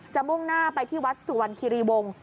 มุ่งหน้าไปที่วัดสุวรรณคิรีวงศ์